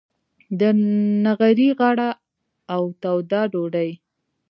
د نغري غاړه او توده ډوډۍ.